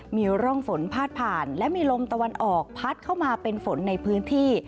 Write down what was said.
มีร่องฝนพาดผ่านและมีลมตะวันออกพัดเข้ามาเป็นฝนในพื้นที่